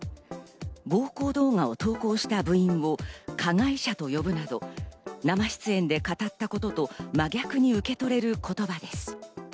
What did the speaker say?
暴行動画を投稿した部員を加害者と呼ぶなど、生出演で語ったことと真逆に受け取れる言葉です。